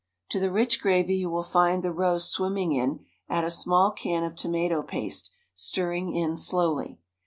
To the rich gravy you will find the roast swimming in add a small can of tomato paste, stirring in slowly.